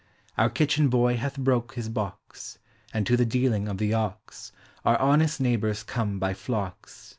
Our kitchen boy hath broke his box; And to the dealing of the ox Our honest neighbors come by flocks.